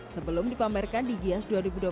sebelum dipamerkan di kias dua ribu dua puluh tiga